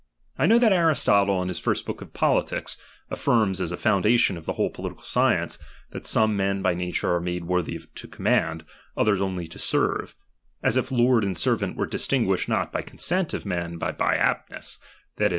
I know that Aristotle, in his first book of Politics, affirms as a foundation of the whole political science, that some men by nature are made worthy to command, others only to serve ; as if lord and servant were distinguished not by consent of men, but by an aptness, that is.